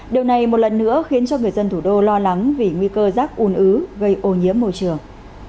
điều này một lần nữa khiến cho người dân thủ đô lo lắng vì nguy cơ rác un ứ gây ô nhiễm môi trường